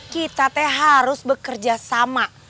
kita teh harus bekerja sama